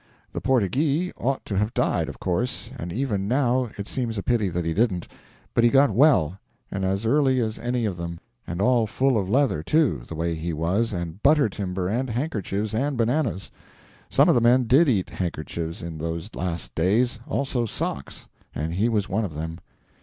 The 'Portyghee' ought to have died, of course, and even now it seems a pity that he didn't; but he got well, and as early as any of them; and all full of leather, too, the way he was, and butter timber and handkerchiefs and bananas. Some of the men did eat handkerchiefs in those last days, also socks; and he was one of them.